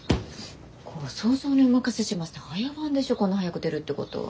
ご想像にお任せしますって早番でしょこんな早く出るってことは。